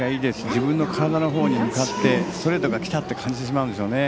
自分の体の方に向かってストレートがきたって感じてしまうんでしょうね。